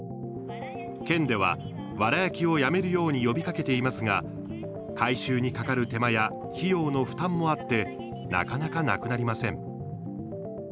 県では、わら焼きをやめるように呼びかけていますが回収にかかる手間や費用の負担もあってなかなかなくなりません。